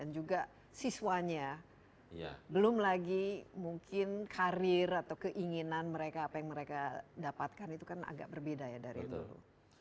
dan juga siswanya belum lagi mungkin karir atau keinginan mereka apa yang mereka dapatkan itu kan agak berbeda ya dari dulu